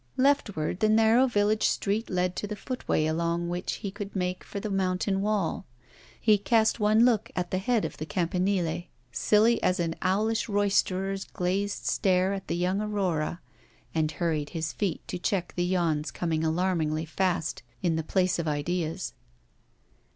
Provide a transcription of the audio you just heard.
Leftward the narrow village street led to the footway along which he could make for the mountain wall. He cast one look at the head of the campanile, silly as an owlish roysterer's glazed stare at the young Aurora, and hurried his feet to check the yawns coming alarmingly fast, in the place of ideas.